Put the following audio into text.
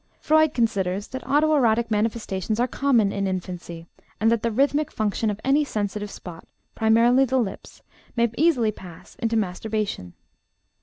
Freud considers that auto erotic manifestations are common in infancy, and that the rhythmic function of any sensitive spot, primarily the lips, may easily pass into masturbation.